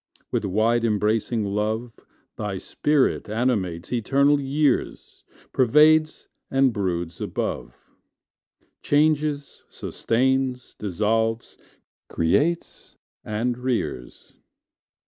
With wide embracing love Thy spirit animates eternal years Pervades and broods above, Changes, sustains, dissolves, creates, and rears.